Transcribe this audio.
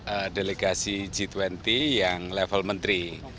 ada delegasi g dua puluh yang level menteri